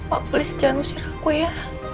oh please jangan usir aku ya